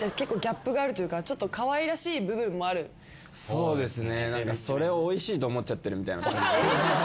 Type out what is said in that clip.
そうですね。